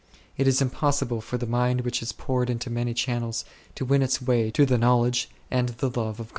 It is impossible for the mind which is poured into many channels to win its way to the knowledge and the love of God.